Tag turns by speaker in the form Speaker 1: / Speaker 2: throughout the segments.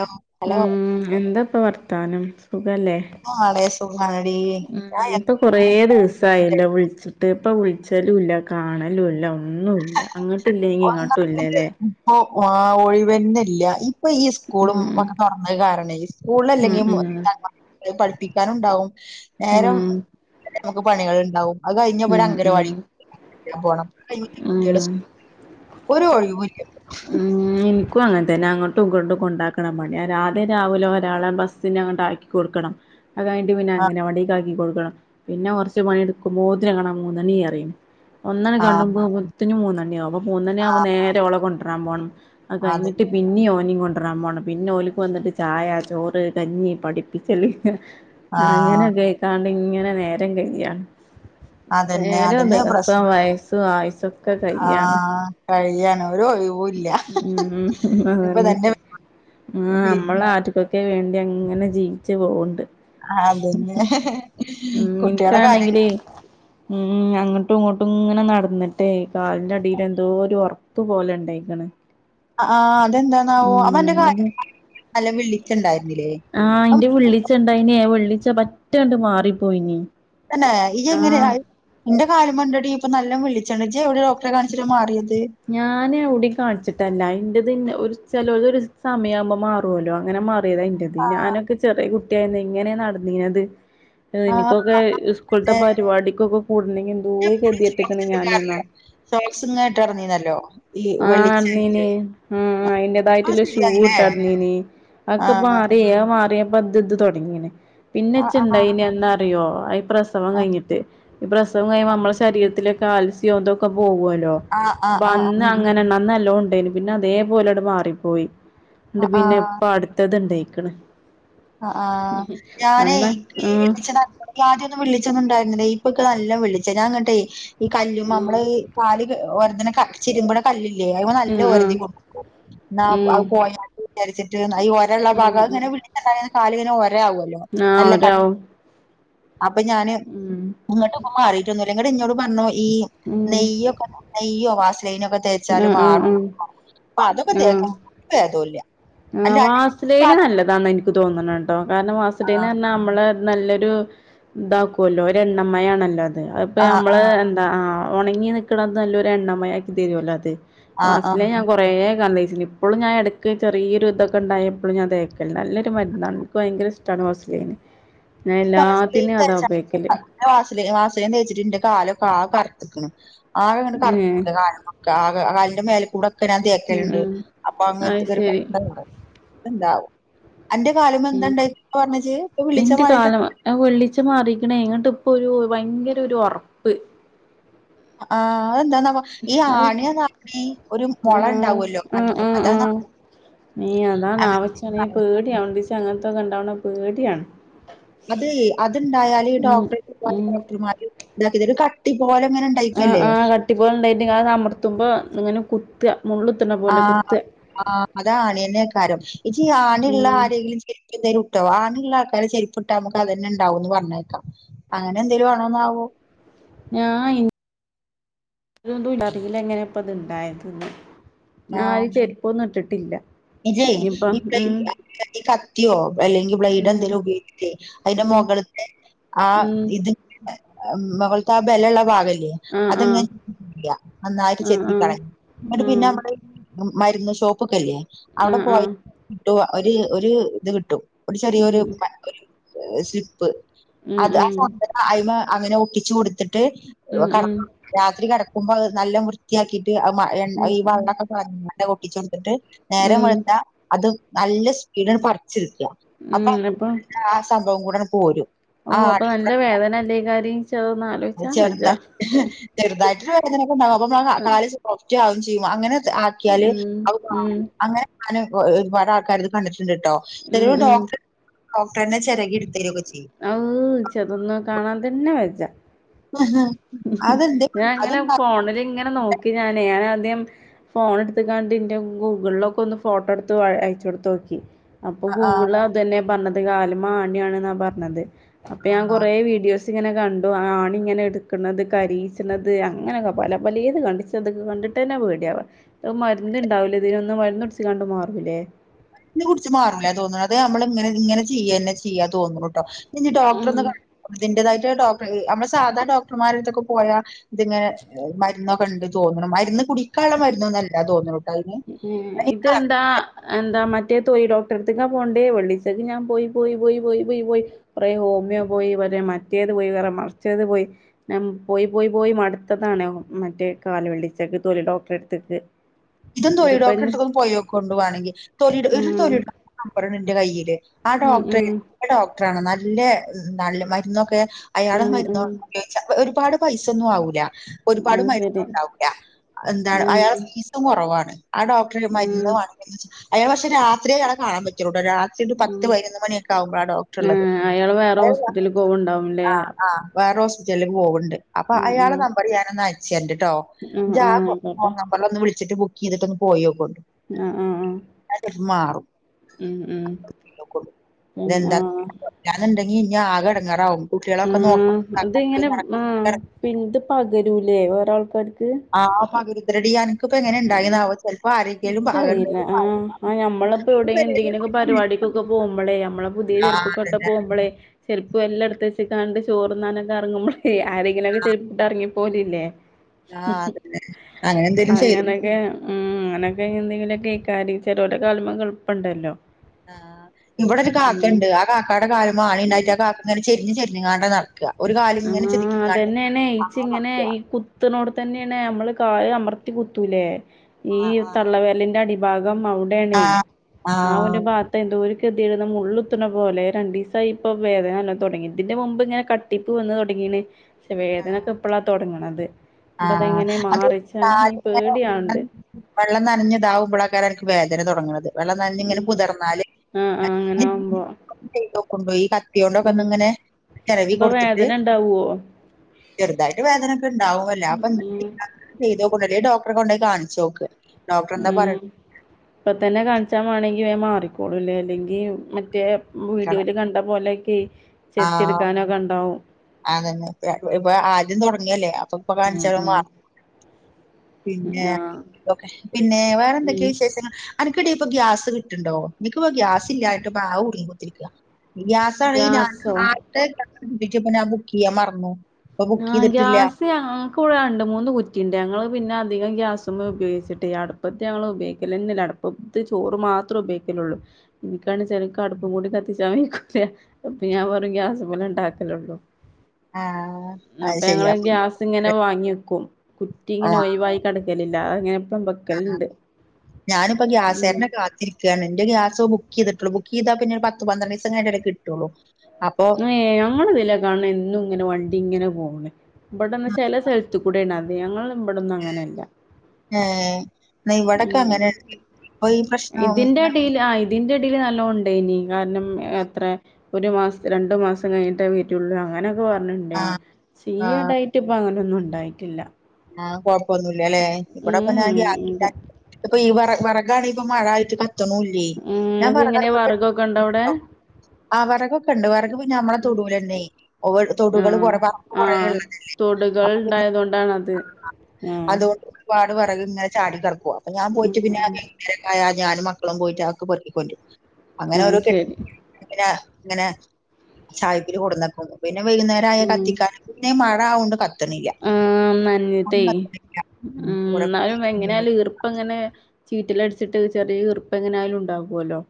Speaker 1: ആ ഹലോ
Speaker 2: പ്ര വർത്തനം സഖല്ലേ
Speaker 1: ആടെ സുഖാണെടി
Speaker 2: ഉ
Speaker 1: ഞാൻ
Speaker 2: ഇപ്പൊ കൊറേ
Speaker 1: എ-
Speaker 2: ദിവസയല്ലോ വിളിച്ചിട്ട് ഇപ്പൊ വിളിച്ചലുംല്ല കാണലും ഇല്ല ഒന്നുമല്ല അങ്ങോട്ട ഇല്ലെങ്കി ഇങ്ങോട്ടും
Speaker 1: ഒന്നാമത്
Speaker 2: ഇല്ലല്ലേ
Speaker 1: ഇപ്പൊ ആ ഒഴിവന്ന ഇില്ല ഇപ്പൊ ഈ സ്കൂളും
Speaker 2: ഉം
Speaker 1: ഒക്കെ തുറന്നത് കാരണം സ്കൂളില
Speaker 2: ഉം
Speaker 1: അല്ലെങ്കും
Speaker 2: ഉം
Speaker 1: പഠിപ്പിക്കാനും ഉണ്ടാവും നേരം
Speaker 2: ഉം
Speaker 1: നമുക്ക് പണികൾ ഉണ്ടാവും അത് കഴിഞ്ഞപ്പോ
Speaker 2: ഉം ഉം
Speaker 1: അംഗരവാടി പോണം കുട്ടികള്
Speaker 2: ഉം
Speaker 1: ഒരു ഒഴിവുല്ലപ്പോ
Speaker 2: ഉ എ ും അങ്ങനെ തന്നെ അങ്ങോട്ടും ഇങ്ങോട്ടും കൊണ്ടാക്കണം പണി രാദ്യെ രാവിലെ ഒരാളെ ബസ്സിിന അങ്ങോ് ആാക്കക്കി കൊടുക്കണം അത് കഴിട്ട് പിന്നെ
Speaker 1: ആ
Speaker 2: അങ്ങനെ വടിക്കാക്കി കൊടുക്കണം പിന്നെ കുറച്ച് പണിയെടുക്കുമ്പോ ഒതിെ കാണ മൂന്ന നീ അറിയുന്നു ഒന്നണി
Speaker 1: ആ
Speaker 2: കണ്ടുമ്പോ മുത്തിു മൂന്നണ്ണി ആകും അപ്പ മൂന്നണ്ണ
Speaker 1: ആ
Speaker 2: ആാവുമ്പോൾ നേരെ ഓള കൊണ്ടുവരാൻ പോകണം ആ
Speaker 1: അതന്നെ
Speaker 2: കഴിഞ്ഞിട്ട് പിന്നെയ ഓന കൊ ടൻ പോണം പിന്നെ ഒലക്ക് വന്നിട്ട് ചായ ചോറ് കഞ്ഞി പഠിപ്പിച്ചല്
Speaker 1: ആ
Speaker 2: അങ്ങനെ കേക്കാണ്ട് ഇങ്ങനെ നേരം കഴാണ്
Speaker 1: അതന്നെ
Speaker 2: വേരോ
Speaker 1: അതന്നെ
Speaker 2: ദിവസം
Speaker 1: പ്രശ്നം
Speaker 2: വയസ്സും ആയുസൊക്കെ
Speaker 1: ആ
Speaker 2: കയ്യാണ്
Speaker 1: കഴിയാണ് ഒരു ഒഴിവുല്ല
Speaker 2: ഉ
Speaker 1: ഇപ്പൊ
Speaker 2: അതന്നെ
Speaker 1: തന്നെ
Speaker 2: ആ
Speaker 1: പി
Speaker 2: നമ്മള ആറ്റക്കൊക്കെ വേണ്ടി അങ്ങനെ ജീവിച്ച്ു പോകണ്ട്
Speaker 1: ആ അതന്നെ
Speaker 2: ഉ
Speaker 1: കുട്ടികളെ
Speaker 2: എനിക്കാണെങ്കിൽ
Speaker 1: കാര്യങ്ങൾ
Speaker 2: ഉ അങ്ങട്ട് ഇട്ടും ഇങ്ങോട്ടും ഇങ്ങനെ നടന്നിട്ടേ കാലിന്റെ അടിൽ എന്തോ ഒരു ഉറപ്പ് പോലെ ഇണ്ടായിക്കണ
Speaker 1: ആ് അതെന്താന്നാവോ അവ എന്റെ കാര്യ
Speaker 2: ആ
Speaker 1: അപ്പം
Speaker 2: അയിന്റെ വിള്ളിച്ചുണ്ടായിന് വി വിളിച്ച പറ്റാണ്ട് മാറിപ്പോയിനി
Speaker 1: അന്ന ഇ എങ്ങനെ
Speaker 2: ആഹ്
Speaker 1: എന്റെ കാല മണ്ടടി ഇപ്പോ നല്ല വിളിച്ചാണ്ജ എവിടെ ഡോക്ടറെ കാണിച്ചി് മാറിയത്
Speaker 2: ഞൻ എവിട കാണിച്ചിട്ടല്ല അതിന്റെ തന്നെ ഒരു ചിലോത്രു സമയമാവുമ്പോ മാറുവല്ലോ അങ്ങനെ മാറിയത് അതിന്റത് ഞാനൊക്കെ ചെറിയ കു ഇങ്ങനെയ നടന്നീനത്
Speaker 1: ആ
Speaker 2: നിനിക്കൊക്കെ സ്കൂളത്തെ
Speaker 1: പിന്നെ
Speaker 2: പരിപാടിക്കൊക്കെ കൂടണെങ്കിൽ എ ദൂരെ കെരുതിയെത്തിക്കണ ഞാൻ എന്നാ
Speaker 1: സ്റ്റോട്ടറ
Speaker 2: ആഹ അടനീന ആ
Speaker 1: ഇപ്പൊ
Speaker 2: അയിൻറേതായിട്ടുള്ള ഷൂ
Speaker 1: ശരിയായില്ലേ
Speaker 2: ഇട്ട അടനീനി
Speaker 1: ആ
Speaker 2: അക്കെ മാറിയാ മാറിയപ്പൊ അത് ഇത് തുടങ്ങീനെ പിന്നെ
Speaker 1: ആ
Speaker 2: വെച്ച
Speaker 1: ആ ആ
Speaker 2: ഇണ്ടായിനി എന്ന അറിയോ പ്രസവം
Speaker 1: ആ
Speaker 2: കഴിഞ്ഞിട്ട് ഈ പ്രസവം കഴിയുമ്പോ നമ്മള ശരീരത്തിലൊക്കെ്യ ഒൊക്കെ പോവൂ
Speaker 1: ആ ആഹ
Speaker 2: അന്ന് അങ്ങനണ അന്ന് നല്ലോം ഇണ്ടായ്നിം പിന്നെ അതേപോളണ്ട് മാറിപ്പോയി [unintelligible]
Speaker 1: ആ
Speaker 2: പിന്നെ ഇപ്പം അടുത്തത്ണ്ടായിക്കിണ്
Speaker 1: ആ ആഹ്‌ ഞാനെയ്യ്
Speaker 2: ആഹ്
Speaker 1: [inaudible] ആദ്യൊന്നും വിളിച്ചൊന്നണ്ടായിരുന്നില്ല ഇപ്പക്ക് നല്ലോം വിളിച്ച ഞാൻ ഇന്നട്ടേയ്യ് ഈ കല്ലുമ്മ നമ്മള് കാല് ഒരതിണ [unintelligible] തിരിമ്പിണ കല്ലില്ലേ
Speaker 2: ആഹ്
Speaker 1: അയ്മ്മനാല്ലോം
Speaker 2: ആഹ്
Speaker 1: ഒരാതികൊടുക്കും [unintelligible] അത്
Speaker 2: ഉം
Speaker 1: പോയയാൽ വിചാരിച്ചിട്ട് ഈ ഓരഇള്ള
Speaker 2: ഉം
Speaker 1: ഭാഗം അത്
Speaker 2: ഉം
Speaker 1: ഇങ്ങന വിളിച്ച ഇണ്ടായാൽ കാൽ ഇങ്ങനെ [unintelligible] ആവല്ലോ
Speaker 2: ആഹ്
Speaker 1: നല്ല ക
Speaker 2: ഒരാവും
Speaker 1: അപ്പം ഞാന്
Speaker 2: ഉം
Speaker 1: ഇങ്ങട്ടിപമാറിയിട്ടൊന്നുല്ല നട്ട് ഇന്നോട് പറഞ്ഞു ഈ
Speaker 2: ഉം
Speaker 1: നെയ്യൊക്കെ നെയ്യ്യോ [unintelligible] തേച്ചാലും
Speaker 2: ആഹ് ആഹ്
Speaker 1: മാറും
Speaker 2: ആഹ്
Speaker 1: അപ്പൊ അതൊക്കെ തേക്ക [inaudible] ബേതോംല്ല്യ
Speaker 2: ആ വാസ്ലിന് നല്ലതാന്ന് ഇൻക്ക് തോന്നി ണെട്ടോ കാരണം വാസ്ലിനറഞ്ഞാൽ നമ്മള് നല്ലൊരു ഇതാക്കോലോ ഒരു എണ്ണമ്മയാണല്ലോ അത്
Speaker 1: ആഹ്
Speaker 2: അതിപ്പഞാമ്മള്
Speaker 1: ആഹ്
Speaker 2: എന്താ ആ ഉണങ്ങി നിക്കണത് നല്ലൊരു എണ്ണമയാക്കി തരോലത്
Speaker 1: ആഹ്
Speaker 2: വാസ്ലിൻ
Speaker 1: ആഹ്
Speaker 2: ഞാൻ കൊറേകാലം പിന്നെപ്പളും ഞാൻ എടക്ക് ചെറിയൊരു ഇതൊക്കെ ഇണ്ടായ എപ്പളും ഞാൻ തേക്കലിൻഡ് നല്ലൊരു മരുന്നാണ് ഇൻക്ക് ഭയങ്കര ഇഷ്ട്ടാണ് വാസ്ലിന്
Speaker 1: ഈ വാസ്ലിൻ തേച്ചാൽ [inaudible] വാസ്ലിന് വാസ്ലിന് തേച്ചിട്ടിന്റെ കാ [unintelligible] കർത്ത്ക്കിണ് ആഗങ്ങട്ട്
Speaker 2: ഏഹ്
Speaker 1: കർത്തിക്കിന് കലിമക്കെ ആകെ കാലിന്റെ മേലക്കൂടെ ഒക്കെ ഞാൻ
Speaker 2: ഉം
Speaker 1: തേക്കലിണ്ട്
Speaker 2: ഉം
Speaker 1: അപ്പൊ
Speaker 2: അത്
Speaker 1: അങ്ങനത്തെ ഒരു [inaudible]
Speaker 2: ശരി
Speaker 1: അന്റെ കാലിമ്മേ എന്താ
Speaker 2: ഉം
Speaker 1: ഇണ്ടായി [unintelligible] പറഞ്ഞ ഇജ്ജ് ഈ വിള്ളിച്ച മാറിട്ട്
Speaker 2: വിള്ളിച്ച മാറിക്കിണേയ്യ് ഇന്നട്ട് ഇപ്പൊ ഒരു ഭയങ്കരഒരുഒറപ്പ്
Speaker 1: ആഹ് അത് എന്താ ഈ ആണിയ നാ [unintelligible] ഒരു മൊള ഇണ്ടാവൊല്ലോ അതാ
Speaker 2: ഏഹ് അതാനവോ ഇച്ചാണെൽ പേടിയവിണ്ട് ഇച്ച് അങ്ങതൊക്ക ഇണ്ടാവിനെ പേടിയാണ്
Speaker 1: അതേയ് അത്ണ്ടായാൽ
Speaker 2: ഉം
Speaker 1: ഡോക്ടുത്ത് പോയാൽ
Speaker 2: ഉം
Speaker 1: ഡോക്ടർമാര് [inaudible] കട്ടി പോലെ ഇങ്ങനെ
Speaker 2: ആഹ്
Speaker 1: ഇണ്ടായിക്കല്ലേ
Speaker 2: ആഹ്‌ കട്ടി പോല ഇണ്ടായിട്ട് [unintelligible] അമർത്തുമ്പോ ഇങ്ങനെ കുത്ത മുള്ളുത്തണ പോലെ
Speaker 1: ആഹ്‌
Speaker 2: കുത്ത
Speaker 1: ആ അതാണ്ണ്യന്നെക്കാരം ഇജ്ജ് ഈ ആണിള്ള
Speaker 2: ഉം
Speaker 1: ആരെങ്കിലും ചെരിപ്പ് എന്തേലും ട്ടോ ആണിള്ള ആൾക്കാരെ ചെരിപ്പിട്ട ഞമ്മക്ക് അതന്നെ ഇണ്ടാവുന്ന് പറഞ്ഞേക്കാ അങ്ങനെ എന്തേലും ആണോന്നാവോ
Speaker 2: ഞാ ഇൻ [unintelligible] അറീല എങ്ങനെ ഇപ്പോ ഇത്ണ്ടായതിന്ന്. ഞാൻ ആരേം ചെര്പ്പൊന്നും ഇട്ടിട്ടില്ല
Speaker 1: ഇജ്ജ്
Speaker 2: ഇനിയിപ്പ
Speaker 1: ഇ
Speaker 2: ഉം
Speaker 1: ക്കെയ്യ് [unintelligible] ഇ കത്തിയോ അല്ലെങ്കി ബ്ലൈഡ്
Speaker 2: ഉം
Speaker 1: എന്തെലും ഉപയോഗിക്കെ അയ്‌ന്റെ
Speaker 2: ഉം
Speaker 1: മൊ മൊകള്ത്തെ ആഹ്
Speaker 2: ഉം
Speaker 1: ഇതി [unintelligible] മൊകൾത്ത ആഹ് ബെലള്ള ഭാഗ ല്യേ
Speaker 2: ആഹ് ആഹ്
Speaker 1: അതങ്ങ് [inaudible] നന്നായിട്ട്
Speaker 2: ആഹ്
Speaker 1: ചെത്തിക്കള. എന്നിട്ട്
Speaker 2: ആഹ്
Speaker 1: പിന്നെമ്മള്
Speaker 2: ആഹ്
Speaker 1: മരിന്ന് ഷോപ്പൊക്കെല്ലേ അവിടെ
Speaker 2: ആഹ്
Speaker 1: പോയി
Speaker 2: ആഹ്
Speaker 1: ട്ടു ഒരു ഒരു ഇത് കിട്ടും ഒരു
Speaker 2: ഉം
Speaker 1: ചെറിയൊരു സ്ലിപ്പ്
Speaker 2: ഉം
Speaker 1: അത്
Speaker 2: ഉം
Speaker 1: ആഹ് സാധനം അയമേ അങ്ങനെ ഒട്ടിച്ചു കൊടുത്തിട്ട്
Speaker 2: ഉം
Speaker 1: കട
Speaker 2: ഉം
Speaker 1: രാത്രി കടക്കുമ്പോ അഹ് നല്ലോം വൃത്തിയാക്കി
Speaker 2: ഉം
Speaker 1: [unintelligible] ഈ വള്ളക്ക പാർന്ന്കാണ്ട് ഒറ്റിചോട്ത്തിട്ട് നേരം
Speaker 2: ഉം
Speaker 1: വെളുത്താ അത് നല്ല സ്പീഡാണ്ട് പറിച്ചിട്ക്ക. അപ്പൊ
Speaker 2: ഉം
Speaker 1: ആഹ് സംഭവം കൂടഡ് പോരും
Speaker 2: അഊ
Speaker 1: ആ
Speaker 2: അപ്പൊ നല്ല വേദന അല്ലയ്കാര്
Speaker 1: ചെറ്ത ചെറുതായിട്ട്രു വേദനക്കെ ഉണ്ടാവും അപ്പൊ ഞമ്മള്ള ക
Speaker 2: ഉം
Speaker 1: കാല് സുഖാഉ ട്ട്യാവും ചെയ്യും. അങ്ങനെ ആക്കിയാല്
Speaker 2: ഉം ഉം
Speaker 1: അങ്ങനെ ഞാന് ഒരുപാട് ആൾക്കാരത് കണ്ടിട്ടി ഇണ്ട്ട്ടൊ ചെലോര്
Speaker 2: ഉം
Speaker 1: ഡോക്ടർ ഡോക്ടറെനെ ചെരകിട്ത്തെരൊക്കെ ചെ
Speaker 2: അഊ ഇച്ചതൊന്നും കാണാൻ തന്നെ വെജ
Speaker 1: അതെന്തേ
Speaker 2: ഞാ അങ്ങനെ
Speaker 1: അതുണ്ടാ
Speaker 2: ഫോണില്ങ്ങനെ നോക്കി ഞാനെ ഞാനത് ദ്യം ഫോണ് ട്ത്ത്ക്കാണ്ട് ഇന്റെ ഗൂഗിൾലൊക്കൊന്ന് ഫോട്ടട്ത്ത് വഴ അയച്ചോട്തോക്കി. അപ്പൊ
Speaker 1: ആ
Speaker 2: ഗൂഗിൾള് അതെന്നെ പർഞ്ഞത് കാലിമ്മേ ആണ്യാണ്ന്നാ പർഞ്ഞത്. അപ്പൊ ഞാൻ
Speaker 1: ആഹ്
Speaker 2: കൊറേ വീഡിയോസ് ങ്ങനെ കണ്ടു ആണി ങ്ങനെ എട് ക്ക്ണത് കരീച്ച്ണത് അങ്ങനെക്കെ പല പലേത് കണ്ട് ഇച്ചതൊക്കെ കണ്ടിട്ടെന്നെ പേട്യാവ അത് മര് ന്ന്ണ്ടാവൂലെ ഇതിനൊന്നും മര്ന്നുട്ച്ച്കാണ്ട് മാറൂല്ലേ?
Speaker 1: ര്ന്ന് കുടിച്ച് മാറൂല തോന്ന്ണ് അത് അമ്മൾ ഇങ്ങനെ ഇങ്ങനെ ചെയ്യാന്നെ ചെയ്യാ തോന്ന്ണുട്ടോ ഇഞ്
Speaker 2: ഉം
Speaker 1: ഡോക്ടെറൊന്ന് കാണിച്ച് അതിൻ്റെതായി ട്ട് ഡോക്ടർ അമ്മള് സാദാ ഡോക്ടർമാരെട്ത്ത്ക്ക് പോയാ ഇത്ങ്ങനെ മര്ന്നൊക്കെണ്ട് തോന്ന്ണ് മര്ന്ന് കുടിക്കാള്ളെ മര്ന്നൊന്നല്ല തോന്ന്ണ്.
Speaker 2: ഉം ഇതെന്താ എന്താ മ റ്റേ തൊലി ഡോക്ടർത്ത് ക്കാം പോവ്ണ്ട് വെള്ളിച്ചക്ക് ഞാൻ പോയി പോയി പോയി പോയി പോയി പോയി കൊറേ ഹോമിയോ പോയി വ രെ മറ്റേത് പോയി വേറെ മർച്ചേതു പോയി ഞാം പോയി പോയി പോയി മട്ത്തതാണ് മറ്റേ കാല് വിളിച്ചക്ക് തൊലി ഡോക്ടറെട്ത്ത്ക്ക്
Speaker 1: ഇതും തൊലി ഡോക്ടറെട്ത്ത്ക്കൊന്ന് പോയോ കൊണ്ടുവാണെങ്കി തൊലിടെ ഒരു
Speaker 2: ഉം
Speaker 1: തൊലി ഡോക്ടറെ നമ്പറ്ണ്ട് ന്റെ കയ്യില്. ആ
Speaker 2: ഉം
Speaker 1: ഡോക്ടറെ
Speaker 2: ഉം
Speaker 1: നല്ല ഡോക്ടറാണ് നല്ലെ നല്ല മര്ന്നൊക്കെ തേ അയാളെ
Speaker 2: ഉം
Speaker 1: [unintelligible]
Speaker 2: ഉം
Speaker 1: ഉപയോഗിച്ചാല് ഒരുപാട് പൈസൊന്ന്വാവൂല. ഒരുപാട്
Speaker 2: അത് ശരി
Speaker 1: മര്ന്നുണ്ടാവൂല്ല എന്താ
Speaker 2: ഉം
Speaker 1: അയാളെ ഫീസും കൊറവാണ്. ആ ഡോക്ടർ
Speaker 2: ഉം
Speaker 1: മര്ന്ന് വാണ [unintelligible] അയാള് പക്ഷെ രാത്രിയെ ആയാളെ കാണാൻ പറ്റ്വോള്ളൂ. രാത്രിര്
Speaker 2: ഉം
Speaker 1: പത്ത് പതിനൊന്നു മണ്യൊക്കാവുമ്പഴാ ഡോക്ടറ്ള്ളത്.
Speaker 2: ആഹ് അയാള് വേറെ
Speaker 1: അയ്‌വ
Speaker 2: ഹോസ്പിറ്റലിൽ പോവുണ്ടാവുംല്ലേ
Speaker 1: ആഹ് ആഹ് വേറോസ് പിറ്റൽക്ക് പോവ്ണ്ട് അപ്പൊ
Speaker 2: ഉം
Speaker 1: അയാളെ
Speaker 2: ഉം
Speaker 1: നമ്പറ് ഞാനൊന്നയ്ച്ചെര്ണ്ട്ട്ടോ
Speaker 2: ആഹ്
Speaker 1: ഇജാ
Speaker 2: ആഹ്
Speaker 1: ഫോ
Speaker 2: ആയിക്കോട്ടെ
Speaker 1: ഫോൺ നമ്പറ്ലൊന്ന് വിളി ച്ച്ട്ട് ബുക്കെയ്തിട്ടൊന്ന് പോയോക്കോണ്ടു.
Speaker 2: ആഹ് ആഹ് ഉം ഉം ഉം ആഹ്
Speaker 1: അതെന്താന്നുണ്ടെങ്കി ഇ [unintelligible] ആകെ ഇടങ്ങാറാവും കുട്ടികളൊക്കെ നോക്ക [unintelligible]
Speaker 2: പിന്തു പകരൂലേ വേറെ ആൾക്കാർക്ക്
Speaker 1: ആഹ് പകരത്തരേടി അനക്ക്
Speaker 2: ഇച്ചറിയില്ല
Speaker 1: പകർന്നൊരു
Speaker 2: ആ ആ ഞമ്മളിപ്പോ എവിടെ എന്തെങ്കിലൊക്കെ പരിപാടി തൊക്കെ പോമ്പഴേ നമ്മളെ പുതിയ
Speaker 1: ആ അതന്നെ
Speaker 2: ചെരുപ്പിട്ടൊക്കെ പോകുബെളെ ചെരുപ്പുമെല്ലാ എടുത്തു വെച്ചിട്ട് കണ്ട് ചോറുന്നാനൊക്കെ എറങ്ങുമ്പഴേ ആരെങ്കിലും മൊക്കെ ചെരിപ്പിട്ട് ഇറങ്ങിപ്പോകലില്ലേ
Speaker 1: ആഹ് അതെ അങ്ങനെ എന്തെലും ചെയ്തു
Speaker 2: ഏഹ് ഉം അങ്ങനൊക്കെ എന്തെങ്കിലുമൊക്കെ ഇ കാര്യം ചിലോരൊക്കെ കാലിന്മേൽ എളുപ്പുണ്ടല്ലോ
Speaker 1: ആഹ് ഇവിടെൊ ഒരു കാക്ക ഉണ്ട് ആ ഇവിടൊരു കാക്കയുണ്ട്‌ ആ കാക്കയുടെ കാലു മാണിണ്ടായിട്ട് ആ കാക്ക ഇങ്ങനെ ചെരിഞ്ഞു ചെരിഞ്ഞേ ചെരിഞ്ങ്ങാണ്ട നടക്കാ
Speaker 2: ആ അതന്നെയാണെ ഇച്ചിങ്ങനെ
Speaker 1: നടക്ക
Speaker 2: ഈ കുത്തിനോടത്ത് തന്നെയാണ് നമ്മള് കായ അമർത്തി കുത്തൂല്ലേ ഈ
Speaker 1: ആഹ് ആഹ്
Speaker 2: തള്ളവിരലിന്റെ അടിഭാഗം [unintelligible] അവിടെണ
Speaker 1: ആഹ്
Speaker 2: ആ ഒരു
Speaker 1: ആഹ്
Speaker 2: ഭാഗത്തെ എന്തൊരു ന്തേയ്യാനാ മുള്ളു കുത്തണ പോലെ രണ്ടീസായി ഇപ്പം വേദന നല്ലോ തുടങ്ങി ഇതിന്റെ മുമ്പ് ഞാൻ കട് തട്ടിപ്പ് വന്ന് തുടങ്ങീനെ പക്ഷെ വേദനൊക്കെ ഇപ്പളാ തുടങ്ങണത്
Speaker 1: ആ
Speaker 2: അപ്പൊ അതെങ്ങനെ
Speaker 1: അതെ
Speaker 2: മാറിച്ചാ ഈ
Speaker 1: കാലിങ്ങനെ
Speaker 2: പേടിയാവണ്ട്
Speaker 1: വെള്ളംനന ഞ്ഞിതാവുമ്പഴാ വേദന ത്തര തുടങ്ങുന്നത് വെള്ളം
Speaker 2: ഉം
Speaker 1: നനഞ്ഞിങ്ങനെ കുതിർന്നാല്
Speaker 2: ആ ആ അങ്ങനെ ആവുമ്പോ
Speaker 1: ചെയ്തോ കൊണ്ടോയി ഈ കത്തിയോണ്ടൊക്കെ
Speaker 2: ഉം
Speaker 1: ഇങ്ങനെ ചെരവി
Speaker 2: അപ്പൊ
Speaker 1: കൊടുത്തിട്ട്
Speaker 2: വേദന ഉണ്ടാവുവോ
Speaker 1: ചെറുതായിട്ട് വേദന ഒക്കെ ഉണ്ടാവുമല്ലോ അപ്പൊ
Speaker 2: ഉം
Speaker 1: ചെയ്ത ഡോക്ടറെ കൊണ്ടെ കാണിച്ചു നോക്ക്
Speaker 2: ഉം ഇപ്പം തന്നെ കാണിച്ചാ മേണെങ്കി മാറിക്കോളൂല്ലേ അല്ലെങ്കി മറ്റേ
Speaker 1: പറയ്ണെ
Speaker 2: വീഡിയോലു കണ്ട പോലെയൊക്കെ ചെത്തി
Speaker 1: ആഹ്
Speaker 2: എടുക്കാനൊക്കെ ഇ ണ്ടാവും
Speaker 1: അതന്നെ ഇപ്പൊ ആദ്യം തൊ ടങ്ങിയല്ലേ അപ്പൊ ഇപ്പൊ
Speaker 2: ഉം
Speaker 1: കാണിച്ചള മാറും
Speaker 2: ഉം
Speaker 1: പിന്നെ
Speaker 2: ആഹ്
Speaker 1: ഓക്കെ പിന്നെ വേറെ എന്തൊക്കെയാ
Speaker 2: ഉം
Speaker 1: വിശേഷങ്ങൾ അനിക്കിടെ ഇപ്പൊ ഗ്യാസ് കി ട്ടുണ്ടോ നിക്കിപ്പം ഗ്യാസ്സില്ലായിട്ട് ആ ഉടുങ്ങിത്തിരിക്ക ഗ്യാസ ആണെങ്കി
Speaker 2: ഗ്യാസോ
Speaker 1: ഞാനെ [unintelligible] ബുക്ക് ചെയ്യാൻ മറന്നു ഇപ്പൊ ബുക്ക്
Speaker 2: ആ
Speaker 1: ചെയ്തിട്ടില്ല
Speaker 2: ഗ്യാസ് ഞങ്ങക്കിവിടെ രണ്ട് മൂന്ന് കുറ്റിയുണ്ട് ഞങ്ങളെ പിന്നധികം ഗ്യാസ് ഉപയോഗിച്ചിട്ട് ഈ അടുപ്പത്തി ഉപയോഗിക്ക അടുപ്പത്തി ചോറ് മാത്രേ ഉപയോഗിക്കലുള്ളൂ എനി [unintelligible] നക്ക് അടുപ്പും കൂടി കത്തിച്ചാ മിക്കല്ല അപ്പം ഞാൻ പറേം ഗ്യാസ്സിന്മേലുണ്ടാക്കലു ള്ളു
Speaker 1: ആഹ് അത്
Speaker 2: അപ്പൊ
Speaker 1: ശരി
Speaker 2: ഞങ്ങള് ഗ്യാസ് ഇങ്ങനെ വാങ്ങി വെക്കും കുറ്റി ഇങ്ങനെ
Speaker 1: ആഹ്
Speaker 2: ഒഴിവായി കിടക്കലില്ല അതങ്ങനെ
Speaker 1: ഞാനിപ്പോ
Speaker 2: ഉം
Speaker 1: ഗ്യാസാരനെ കാത്തിരിക്കയാണ് എന്റെ ഗ്യാസോ ബു ബു ചെയ്തിട്ടുള്ളു ബുക്ക് ചെയ്താ പിന്നെ ഒരു പത്തു പന്ത്രണ്ട്‌ ദിവസം കഴിഞ്ഞിട്ടേ കിട്ടുള്ളൂ അപ്പൊ
Speaker 2: ഞങ്ങ ഇതില കാണ എന്നും ഇങ്ങനെ വണ്ടി ഇങ്ങനെ പോണ [unintelligible] ഇവിടെന്ന് ചില സ്ഥലത്ത കൂടൊണ് അതി ഞങ്ങൾ ഇവിടൊന്നും അങ്ങനെയല്ല
Speaker 1: ഏഹ് ഇവിടൊക്കെ അങ്ങനെ
Speaker 2: ഉ
Speaker 1: ഇപ്പൊ ഈ പ്രശ്നം
Speaker 2: ഇതിന്റെ ഇടൽ ആ ഇതിന്റെ ഇടൽ നല്ലണ്ട് ഇനി കാരണം എത്ര ഒരു മാസ രണ്ടു മാസം കഴിഞ്ഞിട്ട വീട്ടിലുള്ള അങ്ങനെ പറഞ്ഞുണ്ടേന്
Speaker 1: ആഹ്
Speaker 2: സിിയ ഡായിട്ട ഇപ്പ അങ്ങനെയൊന്നും ഉണ്ടായിട്ടില്ല
Speaker 1: ആഹ കൊഴപ്പൊന്നുമല്ല അല്ലേ ഇവിടൊക്കെ
Speaker 2: ഉം ഉം
Speaker 1: ഞാൻ
Speaker 2: ഇല്ല
Speaker 1: ഇപ്പൊ ഈ വ വറകണെ ഇപ്പൊ മഴായിട്ട് ണല്ലേ
Speaker 2: ഉം
Speaker 1: ഞാ
Speaker 2: ഇങ്ങക്ക് എങ്ങനെ
Speaker 1: വക്കര
Speaker 2: വിറകൊക്കെ ഉണ്ടോ അവിടെ
Speaker 1: ആ അവർക്കൊക്കെ ഉണ്ട് വർക്ക് പിന്നെ നമ്മളെ
Speaker 2: ഉം
Speaker 1: തൊടുവലന്നെ തൊടുകള് കൊ
Speaker 2: ആഹ്
Speaker 1: പറ് കുറേ
Speaker 2: ആഹ്
Speaker 1: ഉള്ള
Speaker 2: തൊടുകൾ ഉണ്ടായതുകൊണ്ട
Speaker 1: അതോണ്ട് ഒരുപാട് പറയ ഇങ്ങനെ ചാടിക്കിറക്കുവോ അപ്പൊ ഞാൻ
Speaker 2: ഉം
Speaker 1: പോയിട്ട് പിന്നെ
Speaker 2: ഉം
Speaker 1: ഞാനും മക്കളും പോയിട്ട് ആെ പെറക്കിക്കൊണ്ട് അങ്ങനെ ഒരുോ
Speaker 2: അത്
Speaker 1: കെട്ട
Speaker 2: ശരി
Speaker 1: അങ്ങനെ അങ്ങനെ ചായഗരി കൊടുന്നക്കന്നുന്നു പിന്നെ പിെ വൈകുന്നേരം ആയാ
Speaker 2: ഉം
Speaker 1: കത്തിക്കൻ പിന്നെ മഴ ആൊണ്ട് കത്തണില്ല
Speaker 2: േ ഉ
Speaker 1: ഒന്നും കത്തണില്ല ഉം ഇവിടെ
Speaker 2: എന്നാലും
Speaker 1: കുടിയിരുന്നില്ല.
Speaker 2: എങ്ങനെയാലും ഈർപ്പ ഇങ്ങനെ ചീറ്റില അടിച്ചിട്ട് ചെറിയ ചെറുപ്പ് എങ്ങനൊയാലും ഉണ്ടാവുമല്ലോ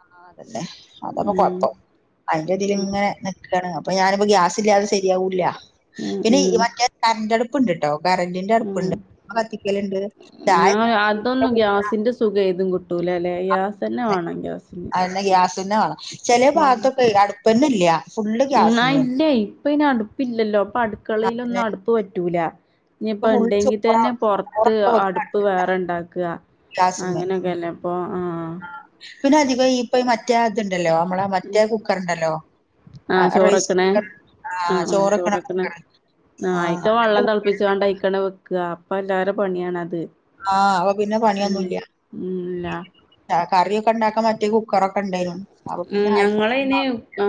Speaker 1: ആ അതല്ലേ അതപ്പൊ കൊഴപ്പം അതിന്റെ ഇതിൽ
Speaker 2: ഉം
Speaker 1: ഇങ്ങനെ നക്കാണ് അപ്പൊ ഞാനിപ്പോ ഗ്യാസ് ഇല്ലാതെ ശരിയാവൂില്ല
Speaker 2: ഉം
Speaker 1: പിന്നെ മറ്റേ കറണ്ട് അടുപ്പ്ുണ്ട്ട്ടോ
Speaker 2: ഉ
Speaker 1: ചായ
Speaker 2: അതൊന്നും ഗ്യാസിന്റെ സുഖ ഏതും കട്ടും കട്ടൂല അല്ലേ ഗ്യാസ് തന്നെ വേണം ഗ്യാസിന്
Speaker 1: ന്നെ വേണം ചില
Speaker 2: ഉം
Speaker 1: ഭാഗത്തൊക്കെ അടുപ്പന്ന ഇല്ല ഫുള്ള്
Speaker 2: ആ
Speaker 1: ഗ്യാസ്മേണ്
Speaker 2: ഇല്ലേ ഇപ്പ ഇ അടുപ്പില്ലല്ലോ അപ്പൊ അടുക്കളയിലൊന്നും
Speaker 1: അതന്നെ
Speaker 2: അടുപ്പ് പറ്റൂല
Speaker 1: ഇപ്പൊ
Speaker 2: ഇനിയിപ്പ
Speaker 1: ഫുള്ള്
Speaker 2: ഉണ്ടെങ്കിൽ
Speaker 1: ചോറാ
Speaker 2: തന്നെ പുറത്ത്
Speaker 1: ചോറൊക്കെ വെക്കാണ്
Speaker 2: അടുപ്പ് വേറെ ഇണ്ടാക്കുക
Speaker 1: ഗ്യാസ്മ്മെ
Speaker 2: അങ്ങനെയൊക്കെല്ലാം ആ
Speaker 1: പിന്നെ അധികം ഈപ്പ മറ്റേ ഇതുണ്ടല്ലോ നമ്മളെ മറ്റേ കുക്കർുണ്ടല്ലോ
Speaker 2: ആഹ ചോറൊക്കണെ ആഹ ചോറൊക്കണ ന
Speaker 1: ആ
Speaker 2: അക്ക
Speaker 1: അങ്ങനത്തെ
Speaker 2: വെള്ളം
Speaker 1: കു-
Speaker 2: തിളപ്പിച്ച കൊണ്ട് അയിക്കണ വെക്കുക അപ്പൊ എല്ലാരും പണിയാണ അത്
Speaker 1: ആ് അവ പിന്നെ പണിയൊന്നുമല്ല
Speaker 2: ഉം ഇല്ല
Speaker 1: ആ കറിയൊക്കെ ഉണ്ടാക്കാ മറ്റേ കുക്കറൊക്കെ ഉണ്ടായിനു അപ്പൊ
Speaker 2: ഉ
Speaker 1: പിന്നെ
Speaker 2: ഞങ്ങള
Speaker 1: ആർക്കും
Speaker 2: ഇ ആ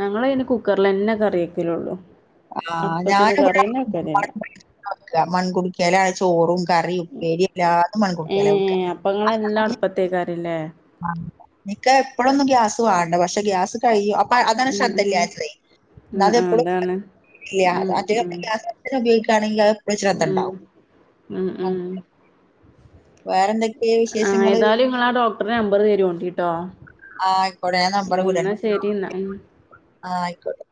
Speaker 2: ഞങ്ങള കുക്കറൽ എന്നെ കറിയ ഒക്കല ഉള്ളൂ
Speaker 1: ആ ഞാനി മൺകുടിക്കാല ചോറുംണ്ട് കറി ഉപ്പേരി എല്ലാതും മൺ
Speaker 2: ഏ
Speaker 1: കുടിക്കിയാലക്ക
Speaker 2: അപ്പൊ ഇങ്ങളെല്ലാം അടുപ്പത്തേക്കാരല്ലേ
Speaker 1: ആ നിിക്ക എപ്പഴൊന്നും ഗ്യാസ് വേണ്ട പക്ഷെ ഗ്യാസ് കഴിയും അപ്പൊ അതാണ്
Speaker 2: ഉം ഉം
Speaker 1: ശ്രദ്ധല്ല അത്രേ
Speaker 2: ആ അതാണ്
Speaker 1: ഇല്ല അ
Speaker 2: ഉം
Speaker 1: അറ്റ
Speaker 2: ഉം
Speaker 1: ഗ്ര ഉപയോഗിക്കുകണെങ്കിൽ അത്
Speaker 2: ഉം
Speaker 1: ശ്രദ്ധ ഉണ്ടാവും
Speaker 2: ഉം ഉം
Speaker 1: വേറെന്ത
Speaker 2: ആ ഏതായാലും നിങ്ങള ആ ഡോക്ടറുടെ നമ്പർ തരുേണ്ടിട്ടോ
Speaker 1: ആഹ ആയിക്കോട്ടെ നമ്പർ കൂട
Speaker 2: എന്നാ ഉം
Speaker 1: ആഹ ആയിക്കോട്ടെ